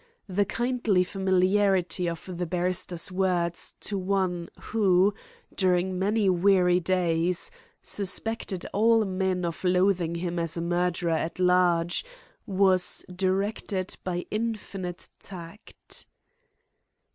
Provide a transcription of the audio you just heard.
The kindly familiarity of the barrister's words to one who, during many weary days, suspected all men of loathing him as a murderer at large, was directed by infinite tact.